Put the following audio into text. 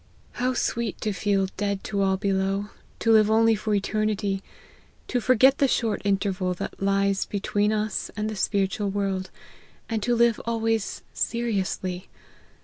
How sweet to feel dead to all below ; to live only for eternity ; to forget the short interval that lies between us and the spiritual world ; and to live always seriously.